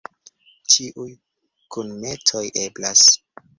Ĉiuj kunmetoj eblas.